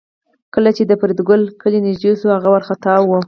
کله چې د فریدګل کلی نږدې شو هغه وارخطا و